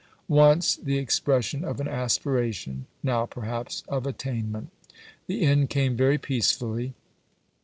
Once, the expression of an aspiration; now perhaps, of attainment. The end came very peacefully.